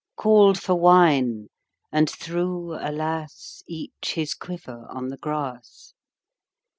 Called for wine, and threw — alas! — Each his quiver on the grass.